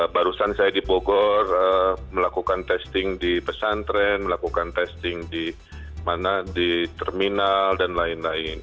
barusan saya di bogor melakukan testing di pesantren melakukan testing di terminal dan lain lain